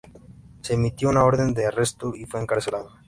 Se emitió una orden de arresto y fue encarcelado.